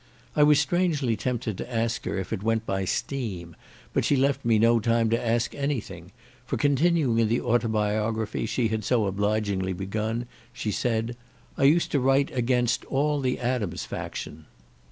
I was strangely tempted to ask her if it went by steam, but she left me no time to ask any thing, for, continuing the autobiography she had so obligingly begun, she said, "I used to write against all the Adams faction.